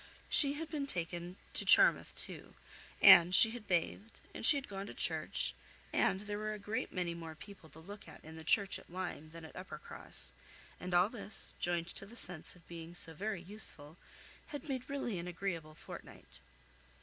She had been taken to Charmouth too, and she had bathed, and she had gone to church, and there were a great many more people to look at in the church at Lyme than at Uppercross; and all this, joined to the sense of being so very useful, had made really an agreeable fortnight.